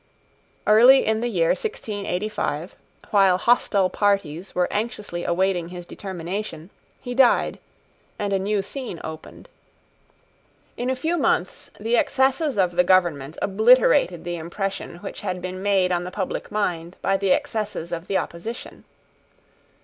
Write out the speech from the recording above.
Early in the year 1685, while hostile parties were anxiously awaiting his determination, he died, and a new scene opened. In a few mouths the excesses of the government obliterated the impression which had been made on the public mind by the excesses of the opposition.